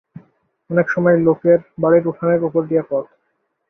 অনেক সময় লোকের বাড়ির উঠানের উপর দিয়া পথ।